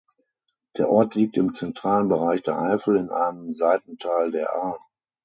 Der Ort liegt im zentralen Bereich der Eifel in einem Seitental der Ahr.